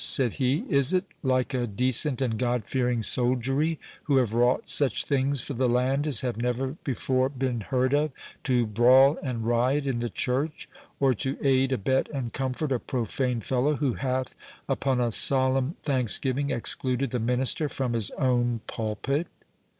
said he; "is it like a decent and God fearing soldiery, who have wrought such things for the land as have never before been heard of, to brawl and riot in the church, or to aid, abet, and comfort a profane fellow, who hath, upon a solemn thanksgiving excluded the minister from his own pulpit?"